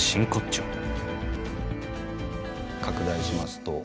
拡大しますと。